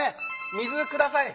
水ください！